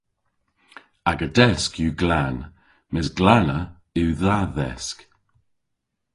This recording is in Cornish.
Aga desk yw glan mes glanna yw dha dhesk.